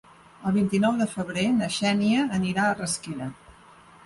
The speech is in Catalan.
El vint-i-nou de febrer na Xènia anirà a Rasquera.